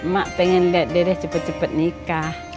mak pengen dideh cepet cepet nikah